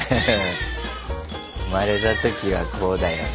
産まれた時はこうだよね。